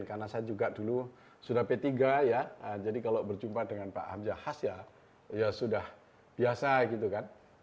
karena saya juga dulu sudah p tiga ya jadi kalau berjumpa dengan pak hamzahas ya ya sudah biasa gitu kan